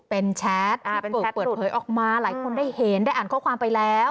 เป็นแชทที่ถูกเปิดเผยออกมาหลายคนได้เห็นได้อ่านข้อความไปแล้ว